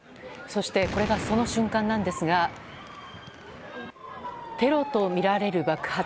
そしてこれがその瞬間なんですがテロとみられる爆発。